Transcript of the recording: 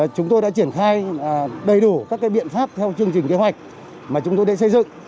chúng tôi đã triển khai đầy đủ các biện pháp theo chương trình kế hoạch mà chúng tôi đã xây dựng